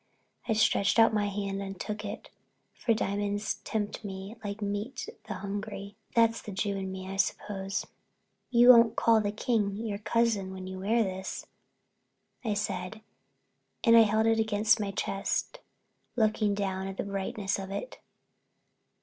I stretched out my hand and took it, for diamonds tempt me like meat the hungry—that's the Jew in me, I suppose. "You won't call the King your cousin when you wear this," I said, and I held it against my chest, looking down at the brightness of it.